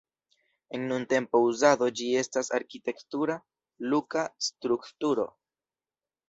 En nuntempa uzado ĝi estas arkitektura luka strukturo.